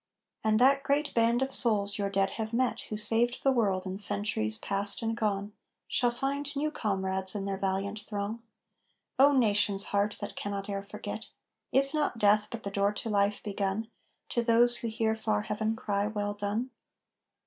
And that great band of souls your dead have met, Who saved the world in centuries past and gone, Shall find new comrades in their valiant throng; O, Nation's heart that cannot e'er forget, Is not death but the door to life begun To those who hear far Heaven cry, "Well done!"